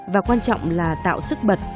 và quan trọng là tạo sức bật